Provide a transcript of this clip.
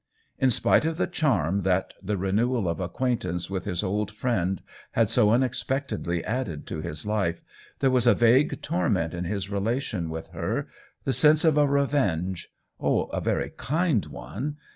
In spite of the charm that the renewal of acquaintance with his old friend had so unexpectedly added to his life, there was a vague torment in his rela tion with her, the sense of a revenge (oh, a very kind one